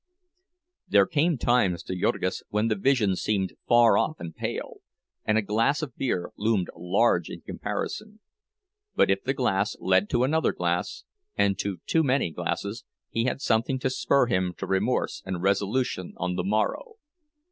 There came times to Jurgis when the vision seemed far off and pale, and a glass of beer loomed large in comparison; but if the glass led to another glass, and to too many glasses, he had something to spur him to remorse and resolution on the morrow.